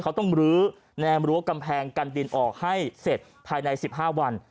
เขาต้องลื้อแนมรั้วกำแพงกันดินออกให้เสร็จภายใน๑๕วัน